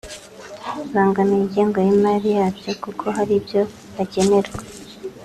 bibangamira ingengo y’imari yabyo kuko hari ibyo bagenerwa